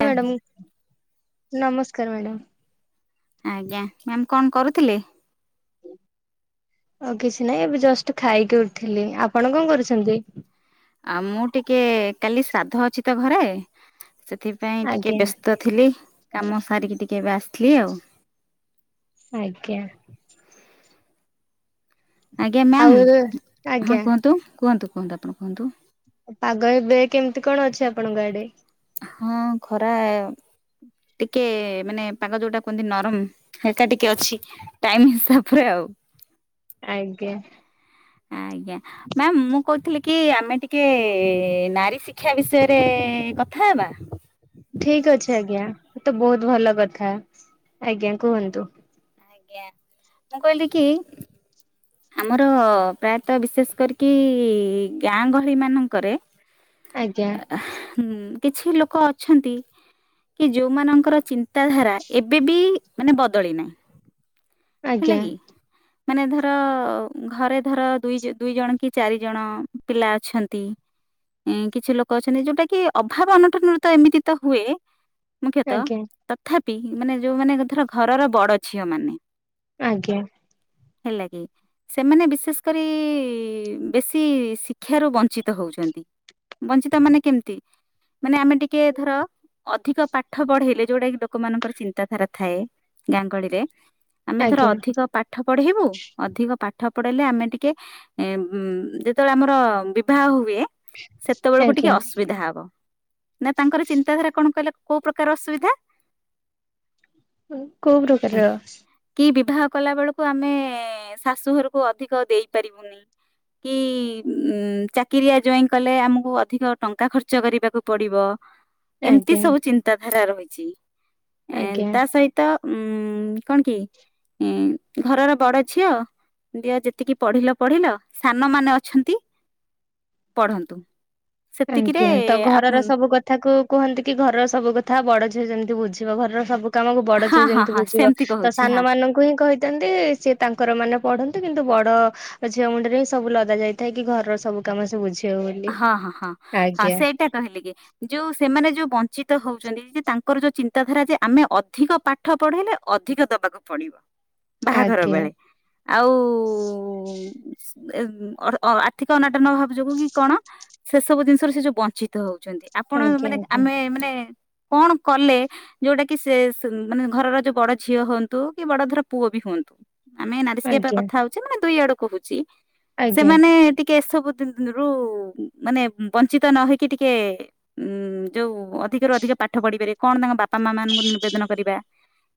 [unintelligible] Madam. ନମସ୍କାର madam. ଆଜ୍ଞା ma'am କଣ କରୁଥିଲେ? ଆଉ କିଛି ନାହିଁ ଏବେ ଜଷ୍ଟ ଖାଇକି ଉଠିଲି ଆପଣ କଣ କରୁଛନ୍ତି? ଆ ମୁଁ ଟିକେ କାଲି ଶ୍ରାଦ୍ଧ ଅଛି ତ ଘରେ। ସେଥିପାଇଁ ଟିକେ ଆଜ୍ଞା ବ୍ୟସ୍ତ ଥିଲି କାମ ସାରିକି ଟିକେ ଏବେ ଆ ଥିଲି ଆଉ। ଆଜ୍ଞା। ଆଜ୍ଞା ମ୍ୟାମ୍ ଆଉ ଏବେ ଆଜ୍ଞା ହଁ କୁହନ୍ତୁ କୁହନ୍ତୁ। କୁହନ୍ତୁ ଆପଣ କୁହନ୍ତୁ। ପାଗ ଏବେ କେମିତି କଣ ଅଛି ଆପଣଙ୍କ ଆଡେ? ହଁ ଖରା ଟିକେ ମାନେ ପାଗ ଯୋଉଟା କୁହନ୍ତି ନରମ ହଲକା ଟିକେ ଅଛି ଟାଇମ୍ ହିସାବରେ ଆଉ। ଆଜ୍ଞା। ଆଜ୍ଞା ମ୍ୟାାମ ମୁଁ କହୁଥିଲି କି ଆମେ ଟିକେ ନାରୀ ଶିକ୍ଷା ବିଷୟରେ କଥା ହେବା। ଠିକ ଅଛି ଆଜ୍ଞା ତ ବହୁତ ଭଲ କଥା ଆଜ୍ଞା କୁହନ୍ତୁ। ଆଜ୍ଞା ମୁଁ କହିଲି କି ଆମର ପ୍ରାୟତଃ ବିଶେଷ କରିକି ଗାଁ ଗହଳି ମାନଙ୍କରେ ଆଜ୍ଞା ହୁଁ। କିଛି ଲୋକ ଅଛନ୍ତି କି ଯୋଉମାନଙ୍କର ଚିନ୍ତାଧାରା ଏବେ ବି ମାନେ ବଦଳି ନାହିଁ। ହେଲା ଆଜ୍ଞା। କି ମାନେ ଧର ଘରେ ଧର ଦୁଇ ଦୁଇ ଜଣ କି ଚାରି ଜଣ ପିଲା ଅଛନ୍ତି କିଛି ଲୋକ ଅଛନ୍ତି ଯୋଉଟା କି ଅଭାବ ଅନଟନ ରୁ ତ ଏମିତି ତ ହୁଏ। ମୁଖ୍ୟତଃ ଆଜ୍ଞା ତଥା ପି ମାନେ ଯୋଉ ମାନେ ଧର ଘରର ବଡ ଝିଅ ମାନେ ଆଜ୍ଞା। ହେଲା କି ସେମାନେ ବିଶେଷ କରି ବେଶୀ ଶିକ୍ଷାରୁ ବଞ୍ଚିତ ହଉଚନ୍ତି ବଞ୍ଚିତ ମାନେ କେମିତି ମାନେ ଆମେ ଟିକେ ଧର ଅଧିକ ପାଠ ପଢେଇଲେ ଯୋଉଟା କି ଲୋକମାନାନଙ୍କର ଚିନ୍ତାଧାରା ଥାଏ ଗାଁ ଗହଳିରେ ଆମେ ଧର ଆଜ୍ଞା ଅଧିକ ପାଠ ପଢେଇବୁ ଅଧିକ ପାଠ ପଡେଇଲେ ଆମେ ଟିକେ ଯେତେବେଳେ ଆମର ବିବାହ ହୁଏ। ସେତେବେଳକୁ ଟିକେ ଆଜ୍ଞା ଅସୁବିଧା ହବ। ନା ତାଙ୍କର ଚିନ୍ତାଧାରା କଣ କଇଲ କୋଉ ପ୍ରକାର ଅସୁବିଧା? କୋଉ ପ୍ରକାରର? କି ବିବାହ କଲା ବେଳକୁ ଆମେ ଶାଶୁ ଘରକୁ ଅଧିକ ଦେଇପାରିବୁନି କି ଉ ଚାକିରିଆ ଜୁଆଇଁ କଲେ ଆମକୁ ଅଧିକ ଟଙ୍କା ଖର୍ଚ୍ଚ କରିବାକୁ ପଡିବ। ଏମିତି ଆଜ୍ଞା ସବୁ ଚିନ୍ତାଧାରା ରହି ଚି। ଏ ଆଜ୍ଞା ତା ସହିତ ଉଁ କଣ କି? ଘରର ବଡ ଝିଅ ଦିଅ ଯେତିକି ପଢିଲ ପଢିଲ ସାନମାନେ ଅଛନ୍ତି ପଢନ୍ତୁ। ସେତିକିରେ ଆଜ୍ଞା ତ ଆପ୍ ଘରର ସବୁ କଥା କୁ କୁହନ୍ତି କି ଘରର ସବୁ କଥା ବଡ ଯିଏ ଯେମିତି ବୁଝିବ ଘରେର ସବୁ କିଛି କାମକୁ ବଡ ହଁ ଝିଅ ହଁ ଯେମିତି ହଁ ବୁଝିବ ସେମିତି ତ କହୁଛି ହଁ ସାନ ମାନଙ୍କୁ ହିଁ କହିଥାନ୍ତି ସି ତାଙ୍କର ମାନେ ପଢନ୍ତି। କିନ୍ତୁ ବଡ ଝିଅ ମୁଣ୍ଡ ରେଁ ସବୁ ଲଦା ଯାଇଥାଏ କି ଘରର ସବୁ କାମ ସେ ବୁଝି ହେଉ ବୋଲି। ହଁ ହଁ ହଁ। ହଁ ସେଇଟା କହିଲି କି ଯୋଉ ସେମାନେ ଯୋଉ ବଂଞ୍ଚିତ ହଉଛନ୍ତି ଯେ ତାଙ୍କର ଯୋଉ ଚିନ୍ତାଧାରା ଯେ ଆମେ ଅଧିକ ପାଠ ପଢେଇଲେ ଅଧିକ ଦବାକୁ ପଡିବ। ବାହାଘର ଆଜ୍ଞା ବେଳେ ଆଉ ଏ ଅ ଆର୍ଥିକ ଅନାଟନ ଅଭାବ ଯୋଗୁ ବି କଣ ସେ ସବୁ ଜିନିଷରେ ସେ ଯୋଉ ବଂଞ୍ଚିତ ହଉଛି। ଆପଣ ଆଜ୍ଞା ମାନେ ଆଜ୍ଞା ଆମେ ମାନେ କଣ କଲେ ଯୋଉଟା କି ସେ ମାନେ ଘରର ଯୋଉ ବଡ ଝିଅ ହୁଅନ୍ତୁ କି ବଡ ଧର ପୁଅ ବି ହୁଅନ୍ତୁ। ଆମେ ନାରିଶିକ କଥା ହଉଛେ ମେ ଦୁଇ ଆଡକୁ କହୁଛି। ଆଜ୍ଞା ସେମାନେ ଟିକେ ଏ ସବୁ [unintelligible] ରୁ ମାନେ ବଞ୍ଚିତ ନ ହେଇକି ଟିକେ ଉଁ ଯୋଉ ଅଧିକରୁୁ ଅଧିକ ପାଠ ପଢିପାରେ କଣ ତାଙ୍କ ବାପା ମା ମାନଙ୍କୁ ନିବେଦନ କରିବା।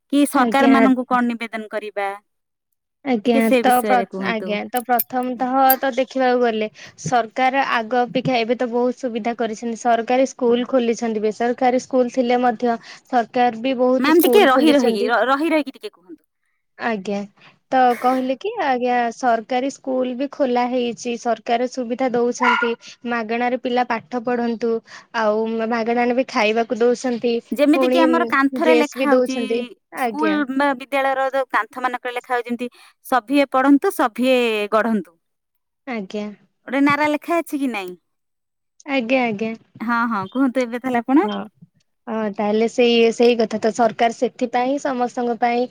କି ସରକାର ଆଜ୍ଞା ଆଜ୍ଞା ମାନଙ୍କୁ କଣ ନିବେଦନ କରିବି? ମ୍ୟାମ୍। ଆଜ୍ଞା ତ ଆଜ୍ଞା ତ ପ୍ରଥମ ତଃ ତ ଦେଖିବାକୁ ଗଲେ ସରକାର ଆଗ ଅପେକ୍ଷା ଏବେ ତ ବହୁତ ସୁବିଧା କରିଛନ୍ତି ସରକାରୀ ସ୍କୁଲ ଖୋଲିଛନ୍ତି ବେସରକାରୀ ସ୍କୁଲ ଥିଲେ ମଧ୍ୟ। ବି ବହୁତ ମ୍ୟାମ୍ ଟିକେ ସ୍କୁଲ ରହି ରହିକି ଖୋଲିଛନ୍ତି ର- ରହି ରହିକି ଟିକେ କୁହନ୍ତୁ ଆଜ୍ଞା। ତ କହିଲେ କି ଆଜ୍ଞା ସରକାରୀ ସ୍କୁଲ ବି ଖୋଲା ହେଇଛି ସରକାର ସୁବିଧା ଦଉଛନ୍ତି ମାଗଣାରେ ପିଲା ପାଠ ପଢନ୍ତୁ ଆଉ ମାଗଣାରେ ବି ଖାଇବାକୁ ଦଉଛନ୍ତି। ଯେମିତି କିି ପୁଣି ଆମର କାନ୍ଥରେ ଡ୍ରେସ ଲେଖା ବି ହଉଛି ଦଉଛନ୍ତି ସ୍କୁଲ ଆଜ୍ଞା ବା ବିଦ୍ୟାଳୟର ଯୋଉ କାନ୍ଥ ମାନଙ୍କରେ ଲେଖା ହଉ ଯେମତି ସଭିଏ ପଢନ୍ତୁ ସଭିଏ ଗଢନ୍ତୁ। ଆଜ୍ଞା ଗୋଟେ ନାରା ଲେଖା ଅଛି। ଛି କି ନାହିଁ। ଆଜ୍ଞା ଆଜ୍ଞା। କୁହନ୍ତୁ ଏବେ। ତାହେଲେ ଆପଣ ହଁ ହ। ତାହେଲେ ସେଇ ସେଇ କଥା ତ ସରକାର ସେଥିପାଇଁ ହିଁ ସମସ୍ତଙ୍କ ପାଇଁ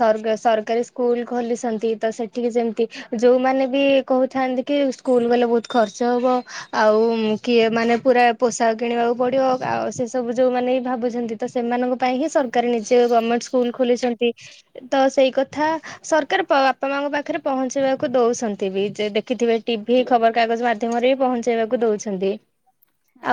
ସ ସରକାରୀ ସ୍କୁଲ ଖୋଲିଛନ୍ତି ତ ସେଠିକି ଯେମିତି ଯେଉଁମାନେ ବି କହୁଥାନ୍ତି କି ସ୍କୁଲ ଗଲେ ବହୁତ ଖର୍ଚ୍ଚ ହେବ ଆଉ କିଏ ମାନେ ପୁରା ପୋଷାକ କିଣିବାକୁ ପଡ଼ିବ। ଆଉ ସେ ସବୁ ଯୋଉମାନେ ଭାବୁଛନ୍ତି ତ ସେମାନଙ୍କ ପାଇଁ ହିଁ ସରକାର ନିଜେ ଗର୍ମେଣ୍ଟ ସ୍କୁଲ ଖୋଲିଛନ୍ତି ତ ସେଇ କଥା ସରକାର ବାପା ମାଙ୍କ ପାଖରେ ପହଞ୍ଚେଇବାକୁ ଦଉଛନ୍ତି ବି ଦେଖିଥିବେ ଟିଭି ଖବର କାଗଜ ମାଧ୍ୟମରେ ବି ପହଞ୍ଚେଇବାକୁ ଦଉଛନ୍ତି।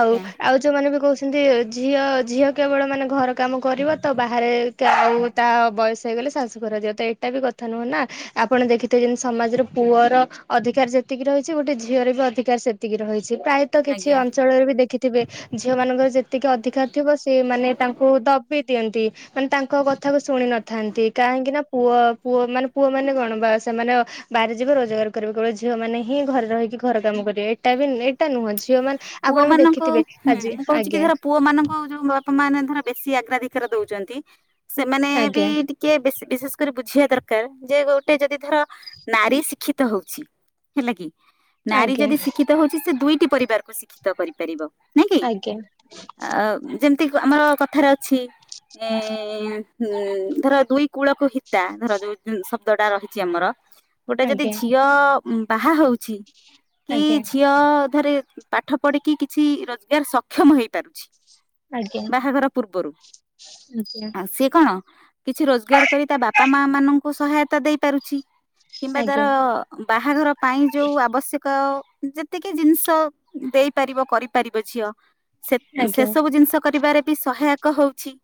ଆଉ ଆଉ ଯୋଉମାନେ ବି କହୁ ସେମିତି ଝିଅ ଝିଅ କେବଳ ମାନେ ଘର କାମ କରିବ ତ ବାହାରେ ଆଉ ତା ବୟସ ହେଇଗଲେ ଶାଶୁଘର ଯିବ ତ ଏଇଟା ବି କଥା ନୁହେଁ ନା ଆପଣ ଦେଖିଥିବେ ଯେମିତି ସମାଜର ପୁଅର ଅଧିକାର ଯେତିକି ରହିଛି ଗୋଟେ ଝିଅର ବି ଅଧିକାର ସେତିକି ରହିଛି। ପ୍ରାୟତଃ କିଛି ଆଜ୍ଞା ଅଞ୍ଚଳରେ ବି ଦେଖି ଥିବେ ଝିଅ ମାନଙ୍କର ଯେତିକି ଅଧିକାର ଥିବ ସେି ମାନେ ତାଙ୍କୁ ଦବି ଦିଅନ୍ତି ମାନେ ତାଙ୍କ କଥାକୁ ଶୁଣି ନଥାନ୍ତି କାହିଁକି ନା ପୁଅ ପୁଅ ମାନେ ପୁଅ ମାନେ କଣ ବା ସେମାନେ ବାହ ଯିବେ ରୋଜଗାର କରିବେ କେଳ ଝିଅ ମାନେ ହିଁ ଘରେ ରହିକି ଘର କାମ କରିବେ ଏଇଟା ବି ଟା ନୁହଁ ଝିଅ ମାନେ ପୁଅ ଆପଣ ବି ମାନଙ୍କୁ ଦେଖିଥିବେ ହୁଁ ଆଜି ମୁଁ କହୁଛି କି ଧର ଆଜ୍ଞା ପୁଅ ମାନଙ୍କୁ ଯୋଉ ବାପା ମାନେ ଧର ବେଶୀ ଆଗ୍ରାଧିକାର ଦଉଛନ୍ତି ସେମାନେ ବି ଆଜ୍ଞା ଟିକେ ବ ବିଶେଷ କରି ବୁଝିବା ଦରକାର ଯେ ଗୋଟେ ଯଦି ଧର ନାରୀ ଶିକ୍ଷିତ ହୋଉଛି ହେଲା କି ନାରୀ ଆଜ୍ଞା ଯଦି ଶିକ୍ଷିତ ହୋଉଛି ସେ ଟି ପରିବାରକୁ ଶିକ୍ଷିତ କରିପାରିବ। ଆଜ୍ଞା। ଯେମତି ଆମର କଥାରେ ଅଛି ଇଁ ହୁଁ ଧର ଦୁଇ କୂଳକୁ ହିତା ଧର ଯୋଉ ଶବ୍ଦଟା ରହିଚି ଆମର ଗୋଟେ ଯଦି ଆଜ୍ଞା ଝିଅ ଉଁ ବାହା ହୋଉଛି କି ଆଜ୍ଞା ଝିଅ ଟେ ପାଠ ପଢିକି କିଛି ରୋଜଗାର ସକ୍ଷମ ହେଇ ପାରୁଛି। ବାହାଘର ପୂର୍ବରୁ ଆଜ୍ଞା ଆଜ୍ଞା ଆ ସିଏ କଣ କିଛି ରୋଜଗାର କରି ତା ବାପା ମାମାନଙ୍କୁ ସହାୟତା ଦେଇ ପାରୁଛି। କିମ୍ବା ତାର ଆଜ୍ଞା ବାହାଘର ପାଇଁ ଯୋଉ ଆବଶ୍ୟକ ଯେତିକି ଜିନଷ୍ ତ ଦେଇପାରିବ କରିପାରିବ ଝିଅ ସେ ସେ ଆଜ୍ଞା ସବୁ ଜିନିଷ କରିବାରେ ବି ସହାୟକ ହୋଉଛି।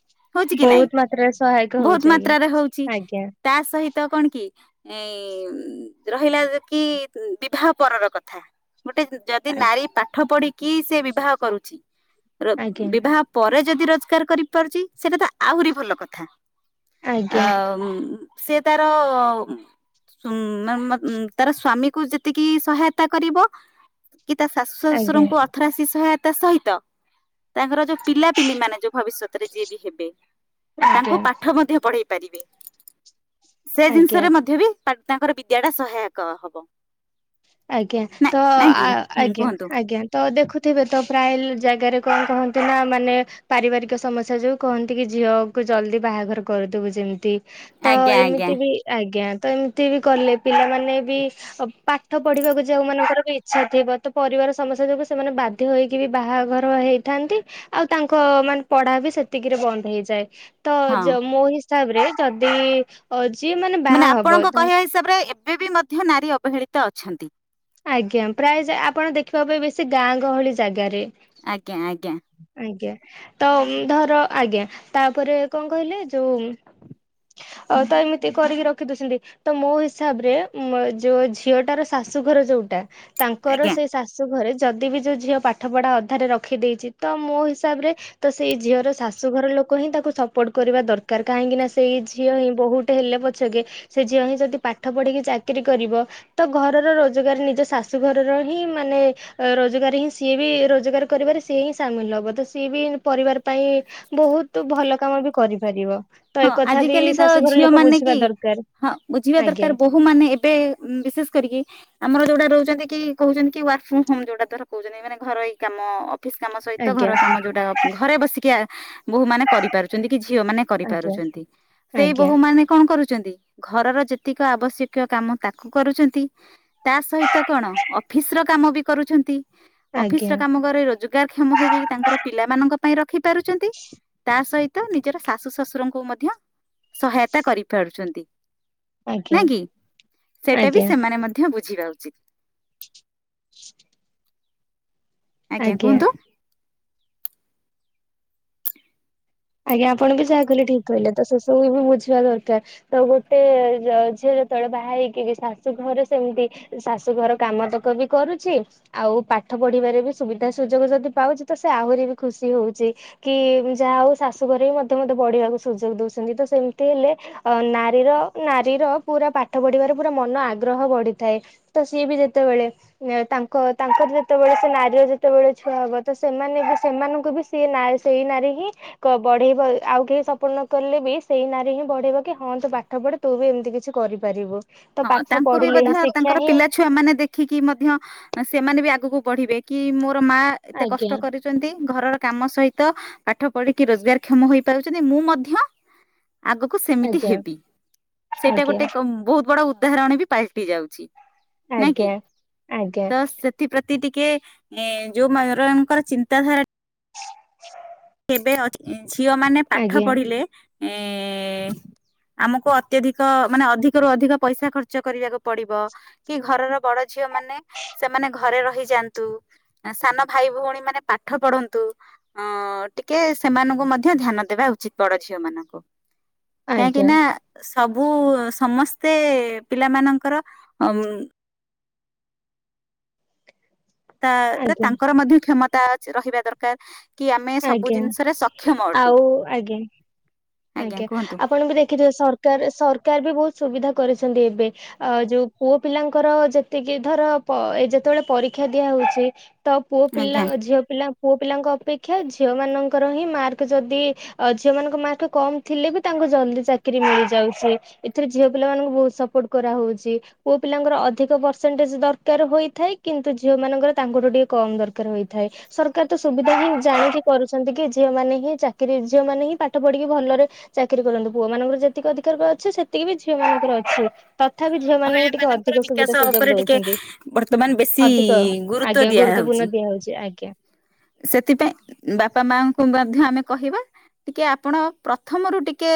ବୋହୁତ ମାତ୍ରାରେ ସହାୟକ ହୋଉଛି ଆଜ୍ଞା ଆଜ୍ଞା। ତ କଣ କି ଏଁ ରହିଲା କି ବିବାହ ପରର କଥା ଗୋଟେ ଯ ଯଦି ନାରୀ ପାଠ ପଢି କି ସେ ବିବାହ କରୁଛି ର ଆଜ୍ଞା ବିବାହ ପରେ ଯଦି ରୋଜଗାର କରିପାରୁଚି ସେଇଟା ତ ଆହୁରି ଭଲ କଥା ଅ ଆଜ୍ଞା ଉଁ ସେ ତାର ତାର ଉମ୍ ମାନେ ମ ତାର ସ୍ଵାମୀକୁ ଯେତିକି ସହାୟତା କରିବ କି ତା ଶାଶୁ ଆଜ୍ଞା ଶଶୁରଙ୍କୁ ଅର୍ଥରାଶି ସହାୟ ତା ସହିତ ତାଙ୍କର ଯୋଉ ପିଲାପିଲି ମାନେ ଯୋଉ ଭବିଷ୍ୟ ରେ ଯିଏ ବି ହେବେ ତାଙ୍କୁ ଆଜ୍ଞା ପାଠ ମଧ୍ୟ ପଢେଇ ପାରିବେ। ସେ ଆଜ୍ଞା ଜିନିଷରେ ମଧ୍ୟ ବି ପା ତାଙ୍କର ବିଦ୍ୟା ଟା ସହାୟକ ହବ। ଆଜ୍ଞା ନା ତ ନାଇଁ କି ଆ ହୁଁ ଆଜ୍ଞା କୁହନ୍ତୁ ଆଜ୍ଞା ତ ଦେଖୁଥିବେ ତ ପ୍ରାୟ ଜାଗାରେ କଣ କହନ୍ତି ନା ମାନେ ପାରିବାରିକ ସମସ୍ୟା ଯୋଉ କୁହନ୍ତି କି ଝିଅ କୁ ଜଲଦି ବାହାଘର କରୁଦବୁ ଯେମିତି ତ ଆଜ୍ଞା ଆଜ୍ଞା ଏମିତି ବି ଆଜ୍ଞା ତ ଏମିତି ବି କଲେ ପିଲାମାନେ ବି ପା ପାଠ ପଢିବାକୁ ଯଉ ମାନଙ୍କର ବି ଇଚ୍ଛା ଥିବ ତ ପରିବାର ସମସ୍ୟା ଯୋଗୁଁ ସେମାନେ ବାଧ୍ୟ ହେଇକି ବି ବାହାଘର ହେଇଥାନ୍ତି ଆଉ ତାଙ୍କ ମାନେ ପଢା ବି ସେତିକିରେ ବନ୍ଦ ହେଇଯାଏ। ତ ହଁ ମୋ ହିସାବରେ ଯଦି ଅ ଯିଏ ବାହା ମାନେ ହବ ଆପଣଙ୍କ ତ କହିବା ହିସାବରେ ଏବେ ବି ମଧ୍ୟ ନାରୀ ଅବହେଳି। ତ ଅଛନ୍ତି। ଆଜ୍ଞା ପ୍ରାୟ ଆପଣ ଦେଖିବା ପାଇଁ ବେଶୀ ଗାଁ ଗହଳି ଜାଗାରେ। ଆଜ୍ଞା। ଆଜ୍ଞା ଆଜ୍ଞା। ଆଜ୍ଞା ତ ଧର ଆଜ୍ଞା ତାପରେ କଣ କହିଲେ ଯୋଉ ତ ଏମିତି କରିକି ରଖି ଦଉଛନ୍ତି ତ ମୋ ହିସାବରେ ଯୋଉ ଝିଅଟାର ଶାଶୁଘର ଯୋଉଟା। ତାଙ୍କର ଆଜ୍ଞା ସେଇ ଶାଶୁ ଘରେ। ଯଦି ବି ଯେଉଁ ଝିଅ ପାଠପଢ଼ା ଅଧାରେ ରଖିଦେଇଛି। ତ ମୋ ହିସାବରେ ତ ସେଇ ଝିଅର ଶାଶୁଘର ଲୋକ ହିଁ ତାକୁ ସପୋର୍ଟ କରିବା ଦରକାର କାହିଁକି ନା ସେଇ ଝିଅ ହିଁ ବହୁଟ ହେଲେ ପଛକେ ସେ ଝିଅ ହିଁ ଯଦି ପାଠ ପଢିକି ଚାକିରି କରିବ ତ ଘରର ରୋଜଗାର ନିଜ ଶାଶୁଘରର ହିଁ ମାନେ ରୋଜଗାର ହିଁ ସିଏ ବି ରୋଜଗାର କରିବାରେ ସି ହିଁ। ସାମିଲ ହବ ତ ସିଏ ବି ପରିବାର ପାଇଁ ବହୁତ ଭଲ କାମ ବି କରିପାରିବ। ତ ହଁ ଏକଥା ବି ଆଜିକାଲି ତ ଶାଶୁଘର ଝିଅ ଲୋକ ମାନେ ବୁଝିବା କି ଦରକାର ହଁ ବୁଝିବା ଆଜ୍ଞା ଦରକାର ବୋହୂ ମାନେ ଏବେ ବିଶେଷ କରିକି ଆମର ଯୋଉଟା ରହୁଛନ୍ତି କି କହୁଛନ୍ତି। କି ୱାର୍କ ଫ୍ର ହୋମ ଯୋଉଟାର କହୁଛନ୍ତି ମାନେ ଘରଇ କାମ। ଅଫିସ୍ କାମ ସହିତ ଘର ଆଜ୍ଞା କାମ ଯୋଉଟା ଘରେ ବସିକି ଆ ବୋ ମାନେ କରିପାରୁଛନ୍ତି କି ଝିଅମାନେ ଆଜ୍ଞା ପଛନ୍ତି ସେଇ ଆଜ୍ଞା ବୋହୂ ମାନେ କଣ କରୁଛ ଘରର ଯେତିକି ଆବଶ୍ୟକୀୟ କାମ ତାକୁ କରୁଛନ୍ତି ତା ସହିତ କଣ ଅଫିସର କାମ ବି କରୁଛନ୍ତି। ଅଫିସ ର ଆଜ୍ଞା କାମ କରି ରୋଜଗାରକ୍ଷମ ହେଇକି ତାଙ୍କର ପିଲାମାନଙ୍କ ପାଇଁ ରଖି ପାରୁଛନ୍ତି ତା ସହିତ ନିଜର ଶାଶୁ ଶାଶୁ ଙ୍କୁ ମଧ୍ୟ ସହାୟତା କରି ପାରୁଛନ୍ତି। ଆଜ୍ଞା ନ କିି ସେଟା ବି ଆଜ୍ଞା ସେମାନେ ମଧ୍ୟ ବୁ ବୁଝିବା ଉଚିତ। ଆଜ୍ଞା କୁହନ୍ତୁ। ଆଜ୍ଞା ଆପଣ ବି ଯାହା କହିଲେ ଠିକ କହିଲେ, ତ ସେ ସବୁ ବି ବୁଝିବା ଦରକାର, ତ ଗୋଟେ ଝିଅ ଯେତେବେଳେ ବାହା ହେଇକି ଶାଶୁ ଘରେ ସେମିତି ଶାଶୁ ଘର କାମ ତକ ବି କରୁଛି, ଆଉ ପାଠ ପଢିବାରେ ବି ସୁବିଧା ସୁଯୋଗ ଯଦି ପାଉଛି, ତ ସେ ଆହୁରି ବି ଖୁସି ହଉଛି କି ଯାହା ହଉ ଶାଶୁଘରେ ହିଁ ମଧ୍ୟ ବଢିବାକୁ ସୁଯୋଗ ଦଉଛନ୍ତି, ତ ସେମିତି ହେଲେ ଅ ନାରୀର ନାରୀର ପୁରା ପାଠ ପଢିବାରେ ପୁରା ମନ ଆଗ୍ରହ ବଢିଥାଏ, ତ ସିଏ ବି ଯେତେବେଳେ ତାଙ୍କ ତାଙ୍କର ଯେତେବେଳେ ସେ ନାରୀର ଯେତେବେଳେ ଛୁଆ ହବ ତ ସେମାନେ ବି ସେମାନଙ୍କୁ ବି ସିଏ ସେଇ ନାରୀ ହିଁ ବଢେଇବ ଆଉ କେହି ସପୋର୍ଟ ନ କଲେ ବି ସେଇ ନାରୀ ହିଁ ବଢେଇବ କି ହଁ ତୁ ପାଠ ପଢେ ତୁ ବି ଏମିତି କିଛି କରିପାରିବୁ। ତ ହଁ ପାଠ ତାଙ୍କୁ ବି ପଢିଲେ ହିଁ ମଧ୍ୟ ଶିକ୍ଷା ତାଙ୍କର ହିଁ ପିଲା ଛୁଆ ମାନେ ଦେଖିକି ମଧ୍ୟ ସେମାନେ ବି ଆଗକୁ ପଢିବେ କି ମୋ ମୋ ମା ଏତେ କଷ୍ଟ ଆଜ୍ଞା କରିଛନ୍ତି ଘରର କାମ ସହିତ ପାଠ ପଢିକି ରୋଜଗାର କ୍ଷମ ହେଇପାରୁଛନ୍ତି, ମୁଁ ମଧ୍ୟ ଆଗକୁ ସେମିତି ଆଜ୍ଞା ହେବି, ସେଇଟା ଆଜ୍ଞା। ଗୋଟେ ବହୁତ ବଡ ଉଦାହରଣ ବି ପାଲଟି ଯାଉଛି। ନାଇଁ କିି ଆଜ୍ଞା ଆଜ୍ଞା। ତ ସେଥିପ୍ରତି। ତି ଟିକେ ଯୋଉ ମାନଙ୍କର ଚିନ୍ତାଧାରା [unintelligible] କେବେ ଅଛି। ଝିଅ ମାନେ ପାଠ ଆଜ୍ଞା ପଢିଲେ ଏ ଆମକୁ ଅତ୍ୟଧିକ ମାନେ ଅଧିକରୁୁ ଅଧିକ ପଇସା ଖର୍ଚ୍ଚ କରିବାକୁ ପଡିବ, କି ଘରର ବଡ ଝିଅ ମାନେ ସେମାନେ ଘରେ ରହିଯାଆନ୍ତୁ, ସାନ ଭାଇ ଭଉଣୀ ମାନେ ପାଠ ପଢନ୍ତୁ, ଅଁ ଟିକେ ସେମାନଙ୍କୁ ମଧ୍ୟ ଧ୍ୟାନ ଦେବା ଉଚିତ ବଡ ଝିଅ ମାନଙ୍କୁ। କହିଁକି ଆଜ୍ଞା ନା ସେ ସବୁ ସମସ୍ତେ ପିଲା ମାନଙ୍କର ଅମ୍ ତା ଏଥିରେ ଆଜ୍ଞା ତାଙ୍କର ମଧ୍ୟ କ୍ଷମ ତା ରହିବା ଦରକାର। କି ଆମେ ସବୁ ଆଜ୍ଞା ଜିନିଷରେ ସକ୍ଷମ ଅଟୁ। ଆଉ ଆଜ୍ଞା। ଆଜ୍ଞା ଆପଣ ବି ଦେଖିଥିବେ ସରକାର ସରକାର ବି ବହୁତ ସୁବିଧା କରିଛନ୍ତି ଏବେ ଆ ଯୋଉ ପୁଅ ପିଲାଙ୍କର ଯେତିକି ଧର ଏ ଯେତେବେଳେ ପରୀକ୍ଷା ଦିଆ ହଉଛି ତ ପୁଅ ପିଲା ଆଜ୍ଞା ଝିଅ ପିଲା ପୁଅ ପିଲାଙ୍କ ଅପେକ୍ଷା ଝିଅ ମାନଙ୍କର ହିଁ ମାର୍କ ଯଦି ଅ ଝିଅମାନଙ୍କ ମାର୍କ ପୁ କମ ଥିଲେ ବି ତାଙ୍କୁ ଜଲଦି ଚାକିରରି ମିଳିଯାଉଛି, ଏଥିରେ ଝିଅ ପିଲାମାନାନଙ୍କୁ ବହୁତ ସପୋର୍ଟ କରାହଉଛି, ପୁଅ ପିଲାଙ୍କର ଅଧିକ ପରସେଣ୍ଟେଜ ଦରକାର ହୋଇଥାଏ। କିନ୍ତୁ ଝିଅ ମାନଙ୍କର ତାଙ୍କଠୁ ଟିକେ କମ ଦରକାର ହୋଇଥାଏ, ସରକାର ତ ସୁବିଧା ହିଁ ଜାଣିକି କରୁଛନ୍ତି କି ଝିଅ ମାନେ ହିଁ ଚାକିର ଝିଅ ମାନେ ହିଁ ପାଠ ପଢ଼ି ଟିକେ ଭଲରେ ଚାକିରି କରନ୍ତୁ ପୁଅ ମାନଙ୍କର ଯେତିକି ଅଧିକାର ଅଛି ସେତିକି ବି ଝିଅ ମାନଙ୍କର ଅଛି। ତଥାପି ହଁ ଝିଅ ମହିଳା ମାନଙ୍କୁ ଟିକେ ମାନଙ୍କର ଅଧିକ ବିକାଶ ସୁବିଧା ସୁଯୋଗ ଉପରେ ଟିକେ ଦଉଛନ୍ତି। ବର୍ତ୍ତମାନ ବେଶୀ ଅଧିକ ଗୁରୁତ୍ୱ ଆଜ୍ଞା ଦିଆହଉଛି। ଗୁରୁତ୍ୱପୂର୍ଣ୍ଣ ଦିଆ ହଉଛି, ଆଜ୍ଞା। ସେଥିପାଇଁ ବାପା ମାଙ୍କୁ ମଧ୍ୟ ଆମେ କହିବା ଟିକେ ଆପଣ ପ୍ରଥମରୁ ଟିକେ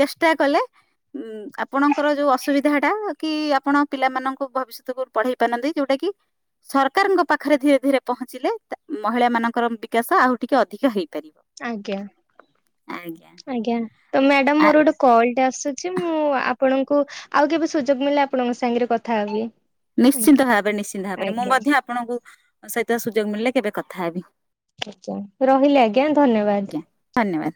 ଚେଷ୍ଟା କଲେ ଉ ଆପଣଙ୍କର ଯୋଉ ଅସୁବିଧା ଟା କି ଆପଣ ପିଲାମାନଙ୍କୁ ଭବିଷ୍ୟତକୁ ପଢେଇ ନ ପାରନ୍ତି ଯୋଉଟା କି ସରକାରଙ୍କ ପାଖରେ ଧୀରେ ଧୀରେ ପହଞ୍ଚିଲେ ମହିଳାମାନଙ୍କର ବିକାଶ ଆଉ ଟିକିଏ ଅଧିକା ହେଇଯିବ। ଆଜ୍ଞା ଆଜ୍ଞା। ଆଜ୍ଞା ତ ମ୍ୟାଡାମ ଆ ମୋର ଗୋଟେ କଲଟେ ଆସୁଛି। ଆସୁଛି ମୁଁ ଆପଣଙ୍କୁ ଆଉ କେବେ ସୁଯୋଗ ମିଳେ ଆପଣଙ୍କ ସାଙ୍ଗରେ କଥା ହେବି। ଆଜ୍ଞା ନିଶ୍ଚିନ୍ତ ଭାବରେ ନିଶ୍ଚିନ୍ତ ଭାବରେ ମୁଁ ଆଜ୍ଞା ମଧ୍ୟ ଆପଣଙ୍କୁ ସହିତ ସୁଯୋଗ ମିଳିଲେ କେବେ କଥା ହେବି ଆା ରହିଲେ ଆଜ୍ଞା ଆଜ୍ଞା ଧନ୍ୟବାଦ ଧନ୍ୟବାଦ।